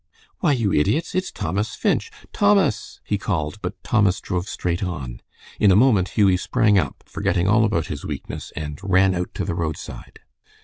"Why, you idiots! it's Thomas Finch. Thomas!" he called, but Thomas drove straight on. In a moment Hughie sprang up, forgetting all about his weakness, and ran out to the roadside.